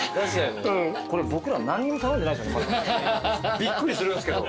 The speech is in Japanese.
びっくりするんすけど。